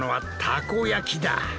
たこ焼き